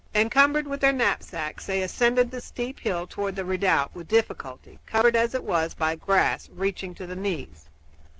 Encumbered with their knapsacks they ascended the steep hill toward the redoubt with difficulty, covered, as it was, by grass reaching to the knees.